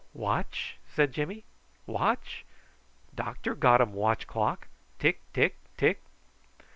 "Watch?" said Jimmy; "watch? Doctor got um watch clock. Tick, tick, tick!"